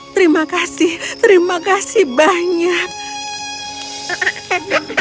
terima kasih terima kasih banyak